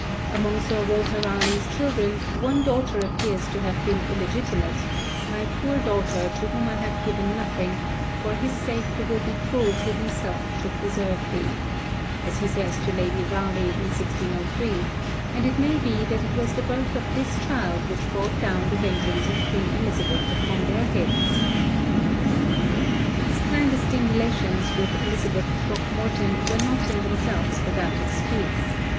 Among Sir Walter Raleigh's children one daughter appears to have been illegitimate, 'my poor daughter, to whom I have given nothing, for his sake who will be cruel to himself to preserve thee,' as he says to Lady Raleigh in 1603, and it may be that it was the birth of this child which brought down the vengeance of Queen Elizabeth upon their heads. His clandestine relations with Elizabeth Throckmorton were not in themselves without excuse.